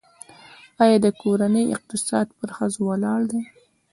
آیا د کورنۍ اقتصاد پر ښځو ولاړ دی؟